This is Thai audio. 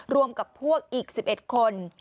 รวมกับพวกอีก๑๑คน